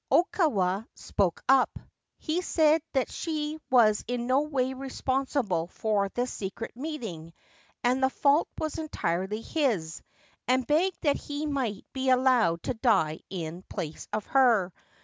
Okawa spoke up. He said that she was in no way responsible for this secret meeting, that the fault was entirely his ; and begged that he might be allowed to die in place of her.